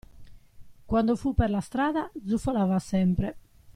Quando fu per la strada, zufolava sempre.